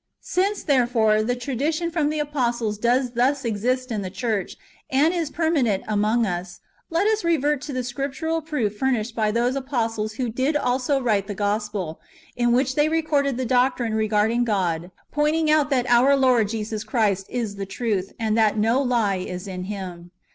Since, therefore, the tradition from the apostles does thus exist in the church, and is permanent among us, let us revert to the scriptural proof furnished by those apostles who did also w^rite the Gospel, in which they recorded the doctrine regarding God, pointing out that our Lord Jesus Christ is the truth,^ and that no lie is in Him.